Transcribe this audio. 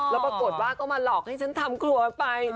แล้วปรากฏว่าก็มาหลอกให้ฉันทำครัวไป